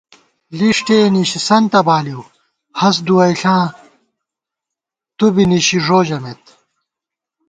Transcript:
لِݭٹےنِشِسَنتہ بالِیؤ، ہست دُوَئیݪاں تُو بی نِشی ݫو ژَمېت